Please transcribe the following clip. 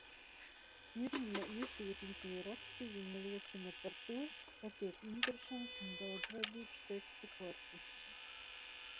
Pirmie iesūtītie rakstījumi liecina par to, ka top interesants un daudzveidīgs tekstu korpuss.